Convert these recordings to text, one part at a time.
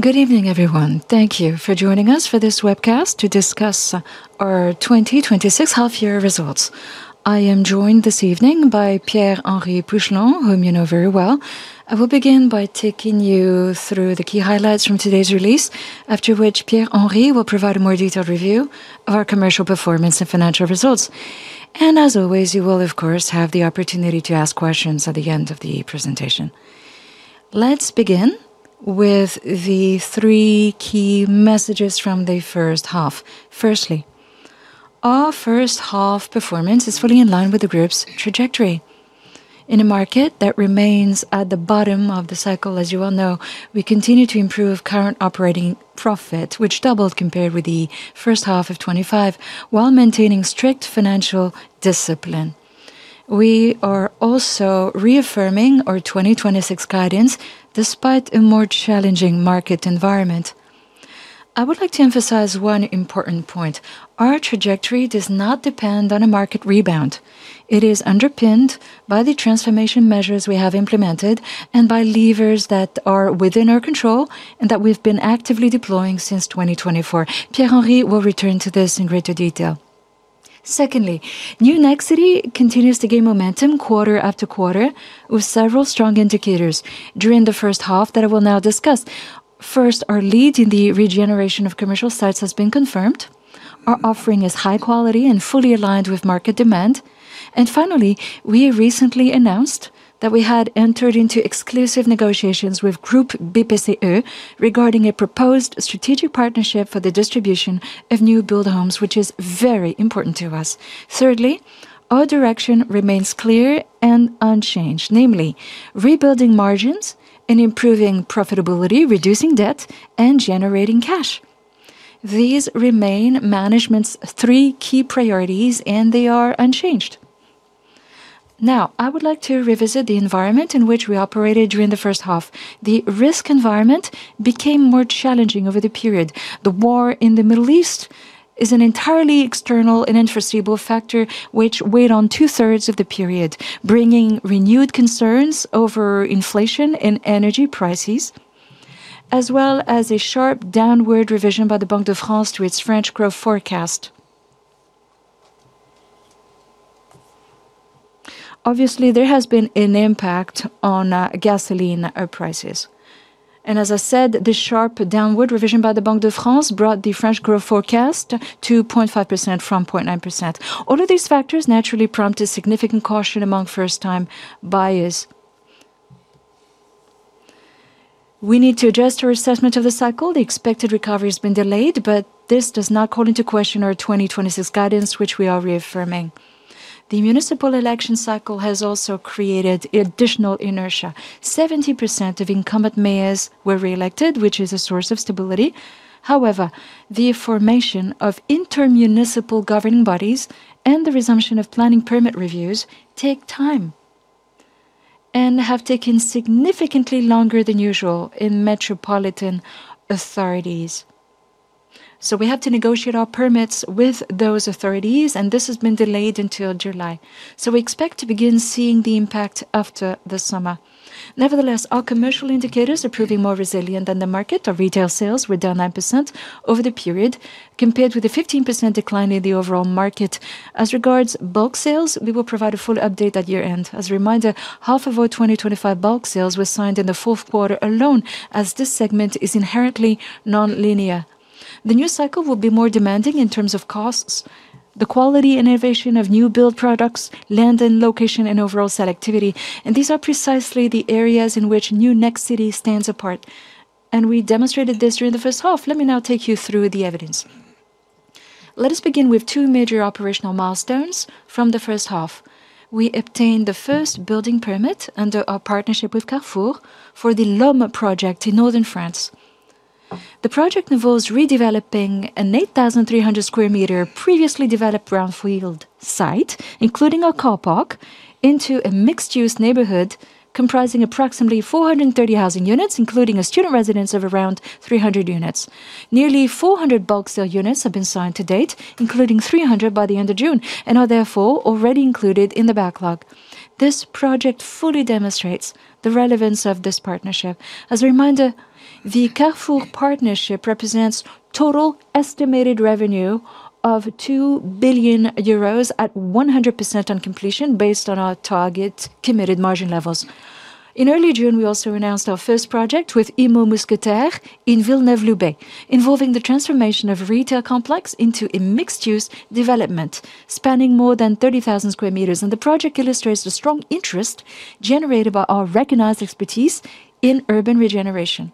Good evening, everyone. Thank you for joining us for this webcast to discuss our 2026 half-year results. I am joined this evening by Pierre-Henry Pouchelon, whom you know very well. I will begin by taking you through the key highlights from today's release. After which, Pierre-Henry will provide a more detailed review of our commercial performance and financial results. As always, you will of course, have the opportunity to ask questions at the end of the presentation. Let's begin with the three key messages from the first half. Firstly, our first-half performance is fully in line with the group's trajectory. In a market that remains at the bottom of the cycle, as you well know, we continue to improve current operating profit, which doubled compared with the first half of 2025 while maintaining strict financial discipline. We are also reaffirming our 2026 guidance despite a more challenging market environment. I would like to emphasize one important point. Our trajectory does not depend on a market rebound. It is underpinned by the transformation measures we have implemented and by levers that are within our control and that we've been actively deploying since 2024. Pierre-Henry will return to this in greater detail. Secondly, New Nexity continues to gain momentum quarter after quarter with several strong indicators during the first half that I will now discuss. First, our lead in the regeneration of commercial sites has been confirmed. Our offering is high quality and fully aligned with market demand. Finally, we recently announced that we had entered into exclusive negotiations with Groupe BPCE regarding a proposed strategic partnership for the distribution of new build homes, which is very important to us. Thirdly, our direction remains clear and unchanged, namely rebuilding margins and improving profitability, reducing debt, and generating cash. These remain management's three key priorities. They are unchanged. Now, I would like to revisit the environment in which we operated during the first half. The risk environment became more challenging over the period. The war in the Middle East is an entirely external and unforeseeable factor which weighed on two-thirds of the period, bringing renewed concerns over inflation and energy prices, as well as a sharp downward revision by the Banque de France to its French growth forecast. Obviously, there has been an impact on gasoline prices. As I said, the sharp downward revision by the Banque de France brought the French growth forecast to 0.5% from 0.9%. All of these factors naturally prompted significant caution among first-time buyers. We need to adjust our assessment of the cycle. The expected recovery has been delayed. This does not call into question our 2026 guidance, which we are reaffirming. The municipal election cycle has also created additional inertia. 70% of incumbent mayors were reelected, which is a source of stability. However, the formation of intermunicipal governing bodies and the resumption of planning permit reviews take time and have taken significantly longer than usual in metropolitan authorities. We had to negotiate our permits with those authorities, and this has been delayed until July. We expect to begin seeing the impact after the summer. Nevertheless, our commercial indicators are proving more resilient than the market. Our retail sales were down 9% over the period compared with a 15% decline in the overall market. As regards bulk sales, we will provide a full update at year-end. As a reminder, half of our 2025 bulk sales were signed in the fourth quarter alone, as this segment is inherently nonlinear. The new cycle will be more demanding in terms of costs, the quality and innovation of new build products, land, and location, and overall selectivity. These are precisely the areas in which New Nexity stands apart. We demonstrated this during the first half. Let me now take you through the evidence. Let us begin with two major operational milestones from the first half. We obtained the first building permit under our partnership with Carrefour for the Lomme project in northern France. The project involves redeveloping an 8,300 sq m previously developed brownfield site, including a car park, into a mixed-use neighborhood comprising approximately 430 housing units, including a student residence of around 300 units. Nearly 400 bulk sale units have been signed to date, including 300 by the end of June, and are therefore already included in the backlog. This project fully demonstrates the relevance of this partnership. As a reminder, the Carrefour partnership represents total estimated revenue of 2 billion euros at 100% on completion, based on our target committed margin levels. In early June, we also announced our first project with Immo Mousquetaires in Villeneuve-Loubet, involving the transformation of a retail complex into a mixed-use development spanning more than 30,000 sq m. The project illustrates the strong interest generated by our recognized expertise in urban regeneration.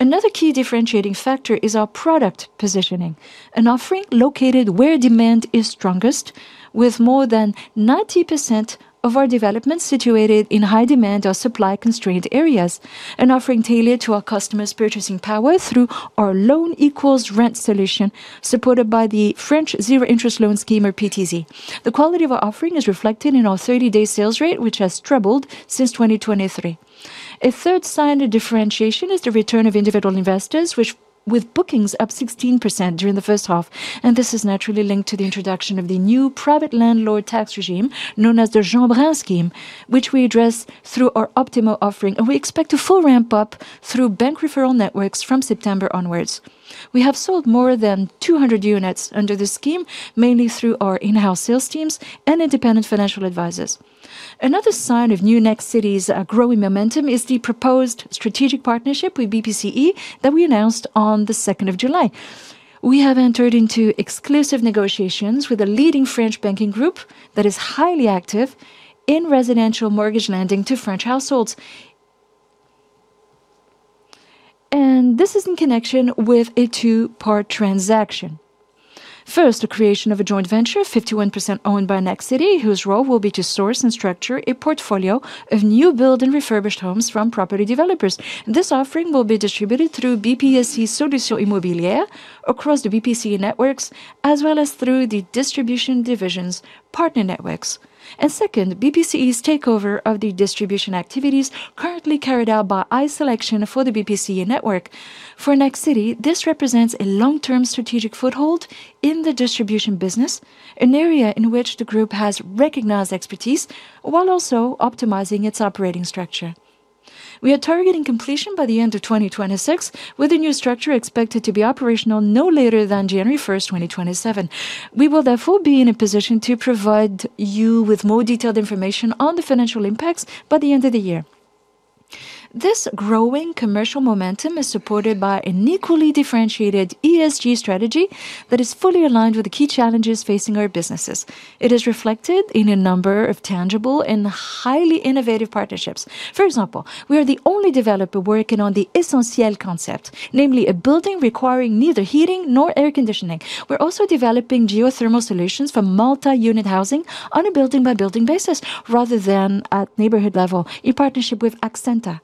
Another key differentiating factor is our product positioning. An offering located where demand is strongest, with more than 90% of our developments situated in high-demand or supply-constrained areas. An offering tailored to our customers' purchasing power through our loan equals rent solution, supported by the French zero interest loan scheme, or PTZ. The quality of our offering is reflected in our 30-day sales rate, which has tripled since 2023. A third sign of differentiation is the return of individual investors, with bookings up 16% during the first half. This is naturally linked to the introduction of the new private landlord tax regime, known as the Jeanbrun scheme, which we address through our optimal offering. We expect a full ramp-up through bank referral networks from September onwards. We have sold more than 200 units under this scheme, mainly through our in-house sales teams and independent financial advisors. Another sign of New Nexity's growing momentum is the proposed strategic partnership with BPCE that we announced on the 2nd of July. We have entered into exclusive negotiations with a leading French banking group that is highly active in residential mortgage lending to French households. This is in connection with a two-part transaction. First, the creation of a joint venture, 51% owned by Nexity, whose role will be to source and structure a portfolio of new build and refurbished homes from property developers. This offering will be distributed through BPCE Solutions Immobilières, across the BPCE networks, as well as through the distribution division's partner networks. Second, BPCE's takeover of the distribution activities currently carried out by iSelection for the BPCE network. For Nexity, this represents a long-term strategic foothold in the distribution business, an area in which the group has recognized expertise while also optimizing its operating structure. We are targeting completion by the end of 2026, with a new structure expected to be operational no later than January 1st, 2027. We will therefore be in a position to provide you with more detailed information on the financial impacts by the end of the year. This growing commercial momentum is supported by an equally differentiated ESG strategy that is fully aligned with the key challenges facing our businesses. It is reflected in a number of tangible and highly innovative partnerships. For example, we are the only developer working on the Essentiel concept, namely a building requiring neither heating nor air conditioning. We're also developing geothermal solutions for multi-unit housing on a building-by-building basis rather than at neighborhood level, in partnership with Axentia.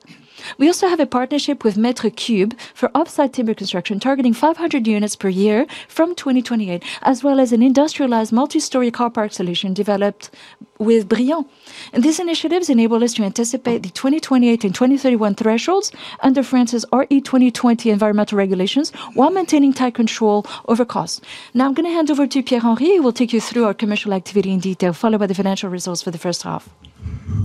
We also have a partnership with Maître Cube for offsite timber construction, targeting 500 units per year from 2028, as well as an industrialized multi-story car park solution developed with Briand. These initiatives enable us to anticipate the 2028 and 2031 thresholds under France's RE2020 environmental regulations, while maintaining tight control over costs. I'm going to hand over to Pierre-Henry, who will take you through our commercial activity in detail, followed by the financial results for the first half.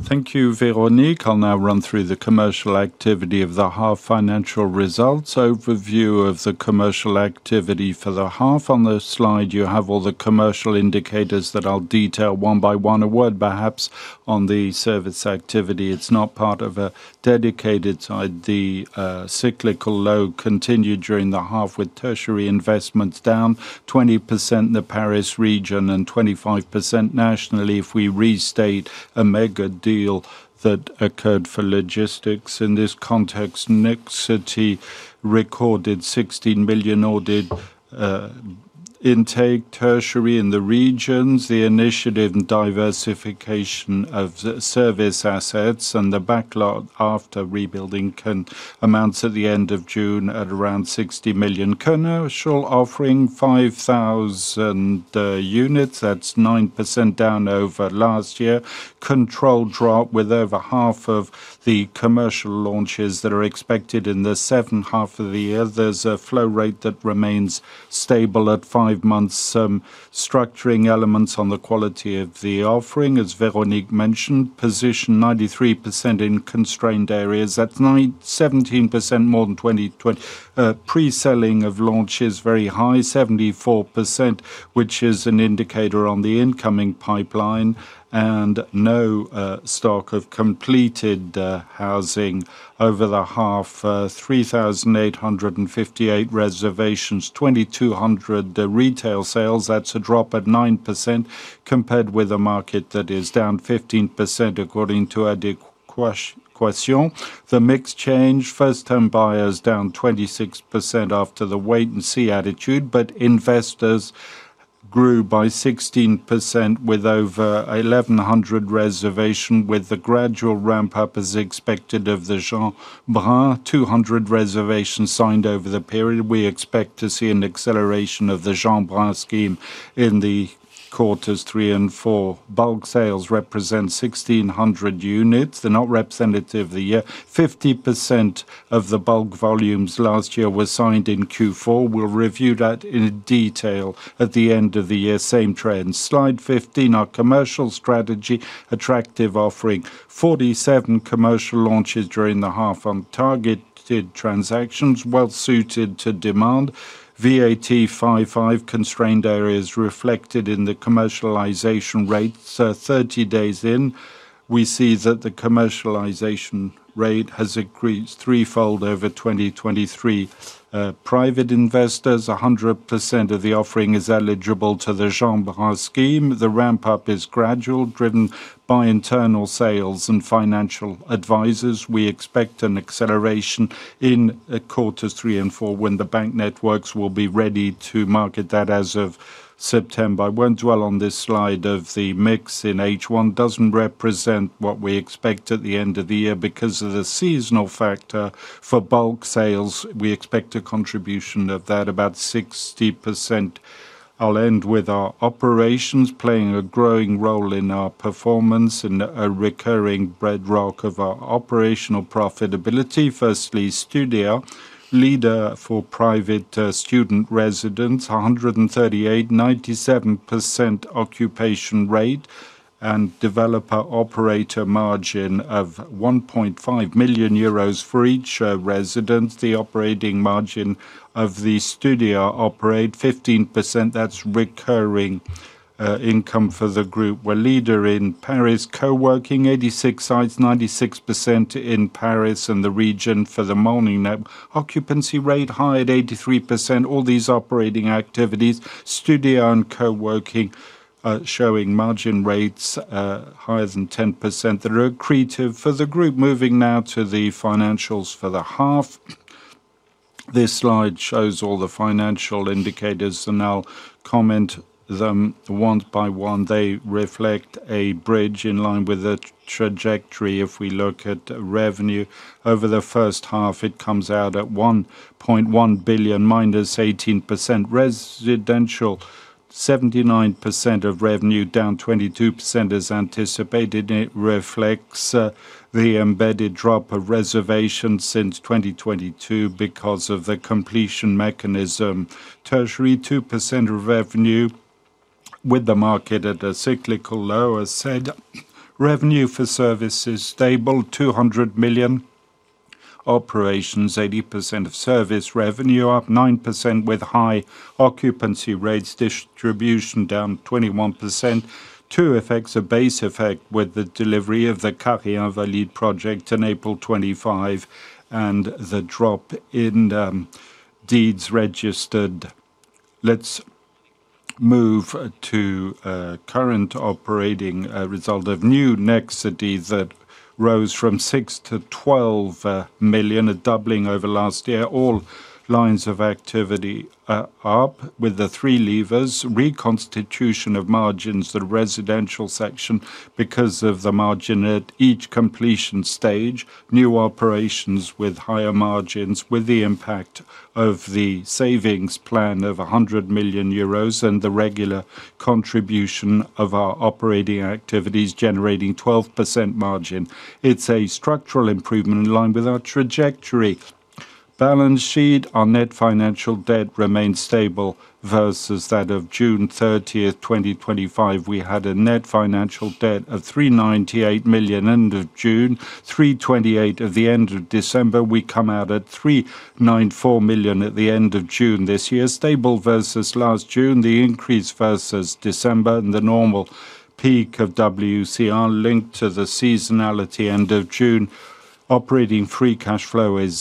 Thank you, Véronique. I'll now run through the commercial activity of the half financial results. Overview of the commercial activity for the half. On the slide, you have all the commercial indicators that I'll detail one by one. A word perhaps on the service activity. It's not part of a dedicated slide. The cyclical low continued during the half with tertiary investments down 20% in the Paris region and 25% nationally if we restate a mega deal that occurred for logistics. In this context, Nexity recorded EUR 16 million ordered intake tertiary in the regions. The initiative and diversification of the service assets and the backlog after rebuilding amounts at the end of June at around 60 million. Commercial offering 5,000 units. That's 9% down over last year. Controlled drop with over half of the commercial launches that are expected in the second half of the year. There's a flow rate that remains stable at five months. Some structuring elements on the quality of the offering, as Véronique mentioned. Position, 93% in constrained areas. That's 17% more than 2020. Pre-selling of launches, very high, 74%, which is an indicator on the incoming pipeline, and no stock of completed housing over the half. 3,858 reservations, 2,200 retail sales. That's a drop at 9% compared with a market that is down 15% according to Adéquation. The mix change. First-time buyers down 26% after the wait and see attitude, investors grew by 16% with over 1,100 reservation with the gradual ramp-up as expected of the Jeanbrun. 200 reservations signed over the period. We expect to see an acceleration of the Jeanbrun scheme in the quarters three and four. Bulk sales represent 1,600 units. They're not representative of the year. 50% of the bulk volumes last year were signed in Q4. We'll review that in detail at the end of the year. Same trend. Slide 15. Our commercial strategy. Attractive offering. 47 commercial launches during the half on targeted transactions, well-suited to demand. VAT 5.5% constrained areas reflected in the commercialization rates. 30 days in, we see that the commercialization rate has increased threefold over 2023. Private investors, 100% of the offering is eligible to the Jeanbrun scheme. The ramp-up is gradual, driven by internal sales and financial advisors. We expect an acceleration in quarters three and four when the bank networks will be ready to market that as of September. I won't dwell on this slide of the mix in H1. Doesn't represent what we expect at the end of the year because of the seasonal factor for bulk sales. We expect a contribution of that about 60%. I'll end with our operations playing a growing role in our performance and a recurring bedrock of our operational profitability. Firstly, Studéa, leader for private student residence, 138, 97% occupation rate, and developer operator margin of 1.5 million euros for each residence. The operating margin of the Studéa operate 15%. That's recurring income for the group. We're leader in Paris coworking, 86 sites, 96% in Paris and the region for Morning. Occupancy rate high at 83%. All these operating activities, Studéa and coworking, showing margin rates higher than 10%, they're accretive for the group. Moving now to the financials for the half. This slide shows all the financial indicators. I'll comment them one by one. They reflect a bridge in line with the trajectory. If we look at revenue over the first half, it comes out at 1.1 billion, -18%. Residential, 79% of revenue, down 22% as anticipated. It reflects the embedded drop of reservations since 2022 because of the completion mechanism. Tertiary, 2% of revenue with the market at a cyclical low as said. Revenue for service is stable, 200 million. Operations, 80% of service revenue, up 9% with high occupancy rates. Distribution down 21%, two effects, a base effect with the delivery of the Carreau Valid project in April 2025 and the drop in deeds registered. Let's move to current operating result of New Nexity that rose from 6 million-12 million, a doubling over last year. All lines of activity are up with the three levers. Reconstitution of margins, the residential section, because of the margin at each completion stage. New operations with higher margins, with the impact of the savings plan of 100 million euros and the regular contribution of our operating activities generating 12% margin. It's a structural improvement in line with our trajectory. Balance sheet. Our net financial debt remains stable versus that of June 30th, 2025. We had a net financial debt of 398 million end of June, 328 at the end of December. We come out at 394 million at the end of June this year, stable versus last June. The increase versus December and the normal peak of WCR linked to the seasonality end of June. Operating free cash flow is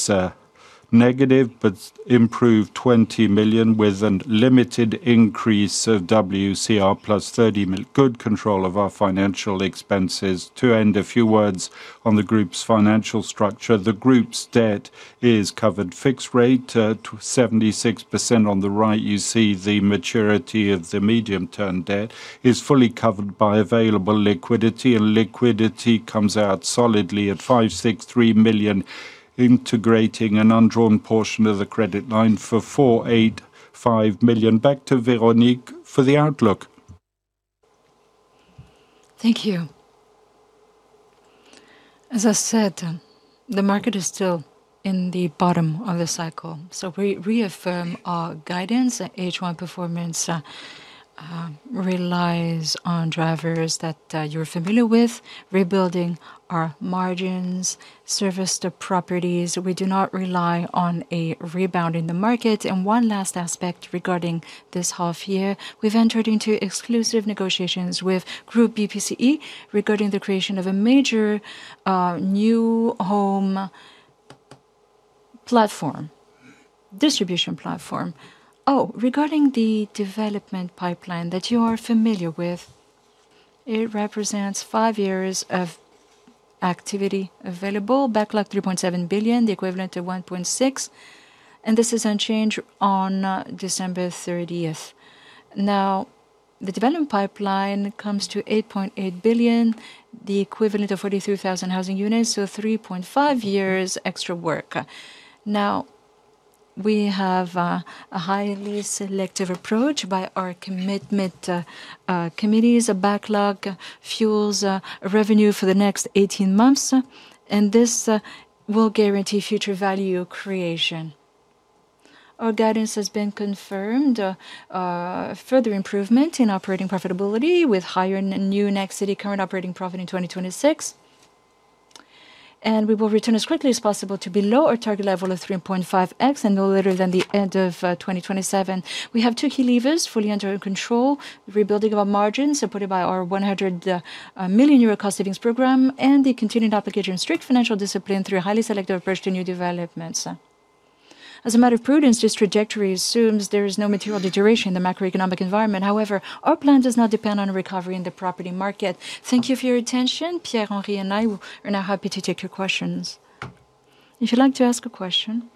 negative but improved 20 million with a limited increase of WCR +30 million. Good control of our financial expenses. To end, a few words on the group's financial structure. The group's debt is covered fixed rate to 76%. On the right, you see the maturity of the medium-term debt is fully covered by available liquidity, and liquidity comes out solidly at 563 million, integrating an undrawn portion of the credit line for 485 million. Back to Véronique for the outlook. Thank you. As I said, the market is still in the bottom of the cycle. We reaffirm our guidance. H1 performance relies on drivers that you are familiar with, rebuilding our margins, serviced properties. We do not rely on a rebound in the market. One last aspect regarding this half-year, we have entered into exclusive negotiations with Groupe BPCE regarding the creation of a major new home platform, distribution platform. Regarding the development pipeline that you are familiar with, it represents five years of activity available. Backlog 3.7 billion, the equivalent of 1.6, and this is unchanged on December 30th. The development pipeline comes to 8.8 billion, the equivalent of 43,000 housing units, so 3.5 years extra work. We have a highly selective approach by our commitment committees. A backlog fuels revenue for the next 18 months, and this will guarantee future value creation. Our guidance has been confirmed. A further improvement in operating profitability with higher New Nexity current operating profit in 2026. We will return as quickly as possible to below our target level of 3.5x and no later than the end of 2027. We have two key levers fully under our control. Rebuilding of our margins, supported by our 100 million euro cost savings program, and the continued application of strict financial discipline through a highly selective approach to new developments. As a matter of prudence, this trajectory assumes there is no material deterioration in the macroeconomic environment. Our plan does not depend on a recovery in the property market. Thank you for your attention. Pierre-Henry, and I are now happy to take your questions. If you'd like to ask a question,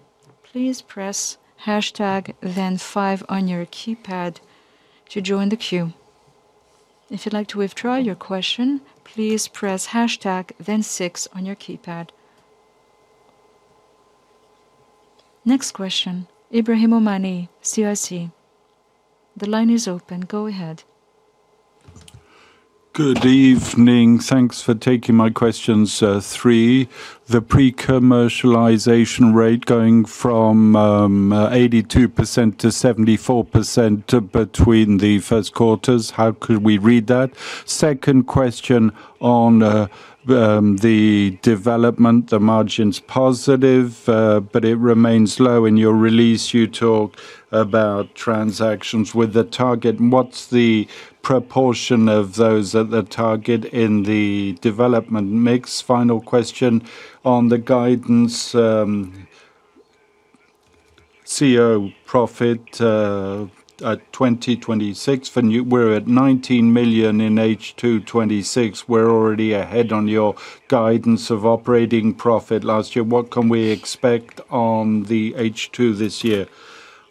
please press hashtag then five on your keypad to join the queue. If you'd like to withdraw your question, please press hashtag then six on your keypad. Next question, Ebrahim Homani, CIC. The line is open. Go ahead. Good evening. Thanks for taking my questions. The pre-commercialization rate going from 82%-74% between the first quarters. How could we read that? Second question on the development. The margin's positive, it remains low. In your release, you talk about transactions with the target. What's the proportion of those at the target in the development mix? Final question on the guidance. Operating profit at 2026. We're at 19 million in H2 2026. We're already ahead on your guidance of operating profit last year. What can we expect on the H2 this year?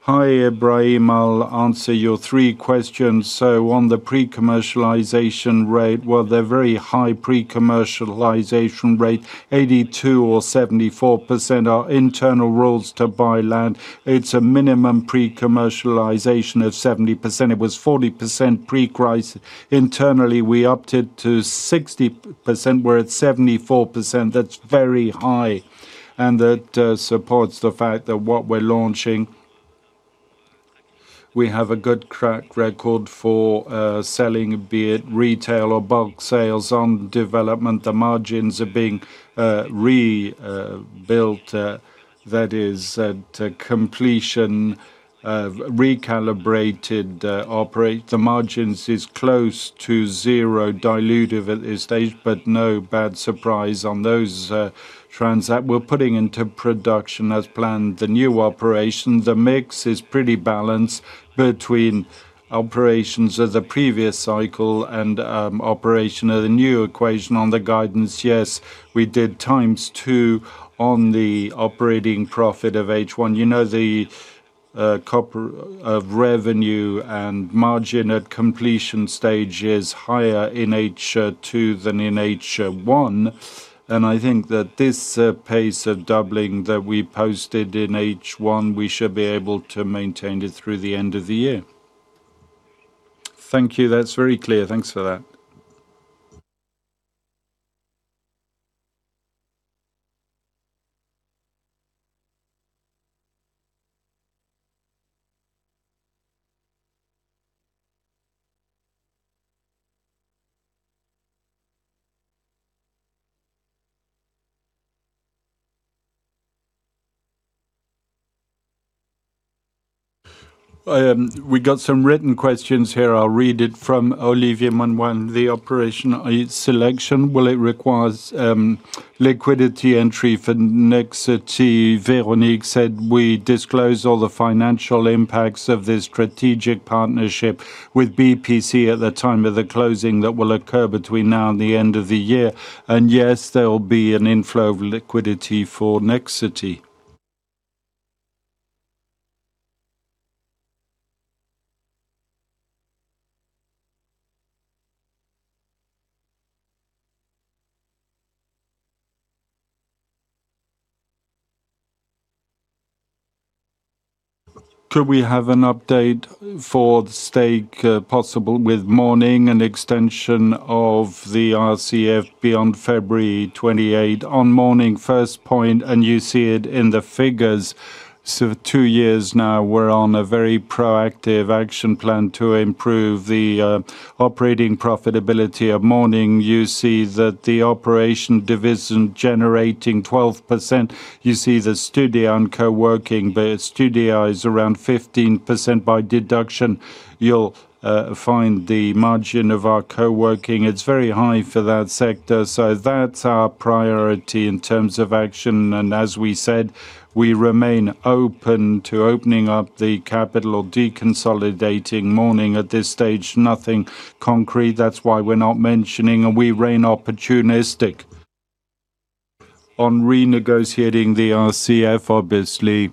Hi, Ebrahim. I'll answer your three questions. On the pre-commercialization rate, well, they're very high pre-commercialization rate, 82% or 74% are internal rules to buy land. It's a minimum pre-commercialization of 70%. It was 40% pre-crisis. Internally, we upped it to 60%, we're at 74%. That's very high, that supports the fact that what we're launching, we have a good track record for selling, be it retail or bulk sales on development. The margins are being rebuilt, that is, at completion, recalibrated operating. The margins is close to zero dilutive at this stage, no bad surprise on those trends that we're putting into production as planned. The new operation, the mix is pretty balanced between operations of the previous cycle and operation of the new cycle on the guidance. Yes, we did 2x on the operating profit of H1. The revenue and margin at completion stage is higher in H2 than in H1, I think that this pace of doubling that we posted in H1, we should be able to maintain it through the end of the year. Thank you. That's very clear. Thanks for that. We got some written questions here. I'll read it from Olivia Manwan. The iSelection, will it requires liquidity entry for Nexity? Véronique said we disclose all the financial impacts of this strategic partnership with BPCE at the time of the closing that will occur between now and the end of the year. Yes, there will be an inflow of liquidity for Nexity. Could we have an update for the stake possible with Morning and extension of the RCF beyond February 28? On Morning, first point, you see it in the figures. Two years now, we're on a very proactive action plan to improve the operating profitability of Morning. You see that the operation division generating 12%. You see the Studéa and co-working, Studéa is around 15%. By deduction, you'll find the margin of our co-working. It's very high for that sector. That's our priority in terms of action, as we said, we remain open to opening up the capital or deconsolidating Morning. At this stage, nothing concrete, that's why we're not mentioning, we remain opportunistic. On renegotiating the RCF, obviously,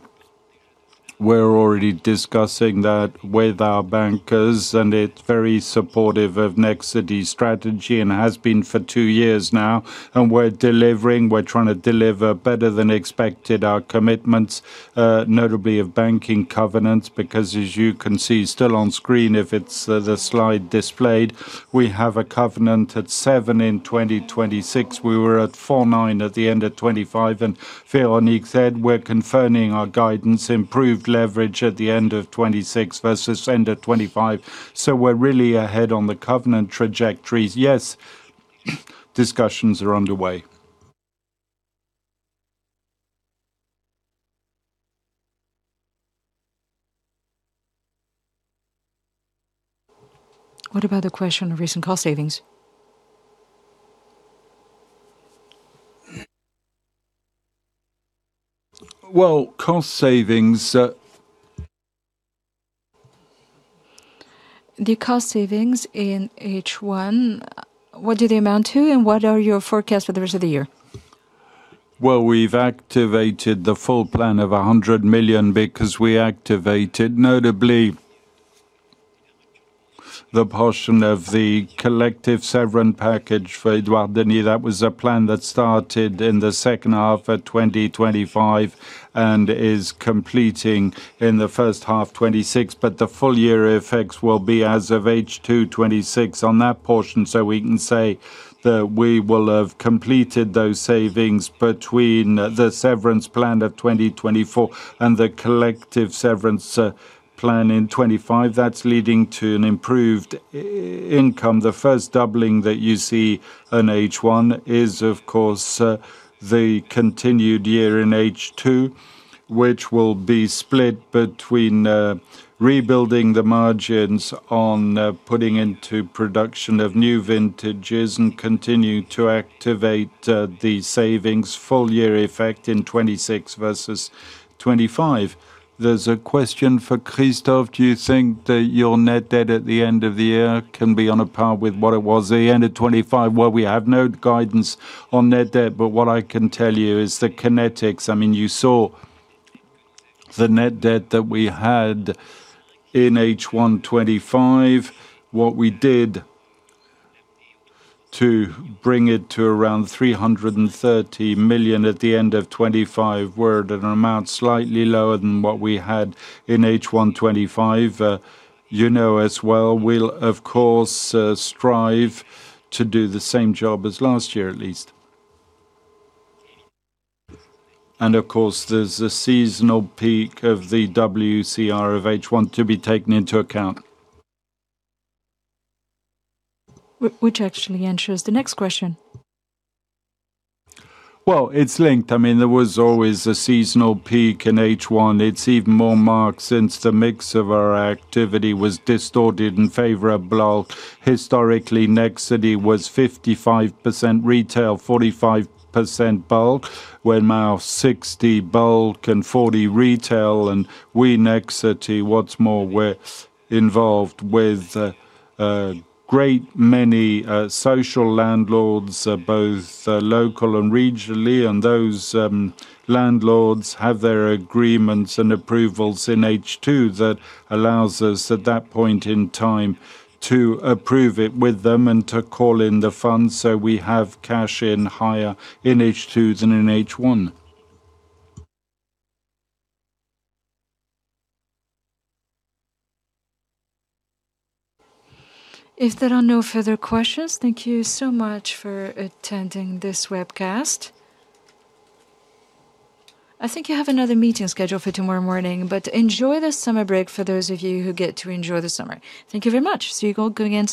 we're already discussing that with our bankers, it's very supportive of Nexity's strategy and has been for two years now. We're delivering, we're trying to deliver better than expected our commitments, notably of banking covenants, because as you can see still on screen, if it's the slide displayed, we have a covenant at seven in 2026. We were at 4.9 at the end of 2025. Véronique said we're confirming our guidance, improved leverage at the end of 2026 versus end of 2025. We're really ahead on the covenant trajectories. Yes, discussions are underway. What about the question of recent cost savings? Cost savings- The cost savings in H1, what do they amount to, and what are your forecasts for the rest of the year? We've activated the full plan of 100 million because we activated notably the portion of the collective severance package for Édouard Denis. That was a plan that started in the second half of 2025, and is completing in the first half 2026. The full year effects will be as of H2 2026 on that portion. We can say that we will have completed those savings between the severance plan of 2024 and the collective severance plan in 2025. That's leading to an improved income. The first doubling that you see in H1 is, of course, the continued year in H2, which will be split between rebuilding the margins on putting into production of new vintages and continue to activate the savings full year effect in 2026 versus 2025. There's a question for Christophe. Do you think that your net debt at the end of the year can be on a par with what it was at the end of 2025? Well, we have no guidance on net debt, but what I can tell you is the kinetics. You saw the net debt that we had in H1 2025, what we did to bring it to around 330 million at the end of 2025 were at an amount slightly lower than what we had in H1 2025. You know as well, we'll of course strive to do the same job as last year at least. Of course, there's a seasonal peak of the WCR of H1 to be taken into account. Which actually answers the next question. Well, it's linked. There was always a seasonal peak in H1. It's even more marked since the mix of our activity was distorted in favor of bulk. Historically, Nexity was 55% retail, 45% bulk. We're now 60 bulk and 40 retail, and we, Nexity, what's more, we're involved with a great many social landlords, both local and regionally. Those landlords have their agreements and approvals in H2 that allows us at that point in time to approve it with them and to call in the funds so we have cash in higher in H2 than in H1. If there are no further questions, thank you so much for attending this webcast. I think you have another meeting scheduled for tomorrow morning, but enjoy the summer break for those of you who get to enjoy the summer. Thank you very much. You're all good again.